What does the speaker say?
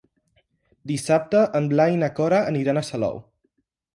Dissabte en Blai i na Cora aniran a Salou.